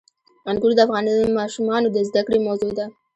انګور د افغان ماشومانو د زده کړې موضوع ده.